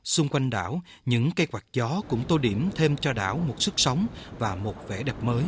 xung quanh đảo những cây quạt gió cũng tô điểm thêm cho đảo một sức sống và một vẻ đẹp mới